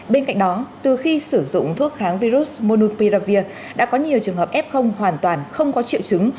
bên cạnh đó từ khi sử dụng thuốc kháng virus monupiravir đã có nhiều trường hợp f hoàn toàn không có triệu chứng